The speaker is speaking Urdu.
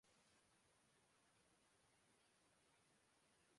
نہ موسیقی ممکن ہے۔